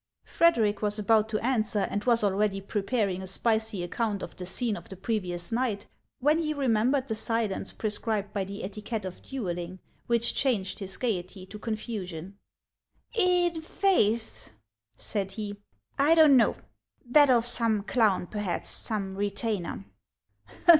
Frederic was about to answer, and was already prepar ing a spicy account of the scene of the previous night, when he remembered the silence prescribed by the etiquette of duelling, which changed his gayety to confusion. " I' faith," said he, " I don't know, — that of some clown perhaps, some retainer."